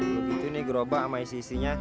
begitu nih gerobak sama istrinya